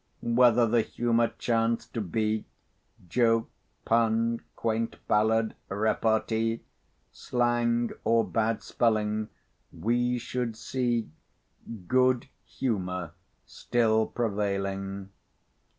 Whether the humour chanced to be Joke, pun, quaint ballad, repartee, Slang, or bad spelling, we should see Good humour still prevailing.